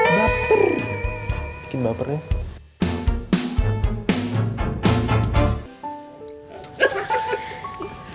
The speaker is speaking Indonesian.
baper bikin bapernya